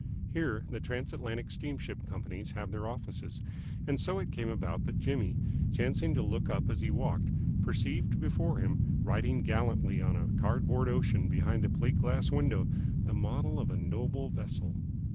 Here the Trans Atlantic steamship companies have their offices, and so it came about that Jimmy, chancing to look up as he walked, perceived before him, riding gallantly on a cardboard ocean behind a plate glass window, the model of a noble vessel.